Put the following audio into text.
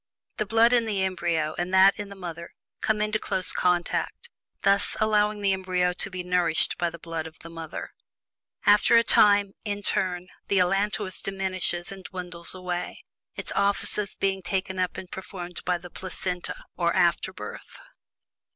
The blood in the embryo, and that in the mother, come into close contact, thus allowing the embryo to be nourished by the blood of the mother. After a time, in turn, the allantois diminishes and dwindles away, its offices being taken up and performed by the "placenta" or "afterbirth."